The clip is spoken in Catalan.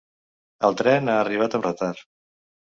El tren ha arribat amb retard.